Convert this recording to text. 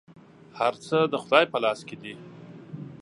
هر څه د خدای په لاس کي دي .